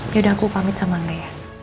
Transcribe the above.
yaudah aku pamit sama angga ya